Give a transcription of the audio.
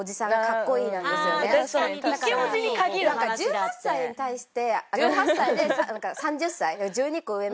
１８歳に対して。